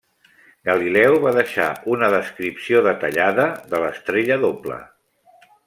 Galileu va deixar una descripció detallada de l'estrella doble.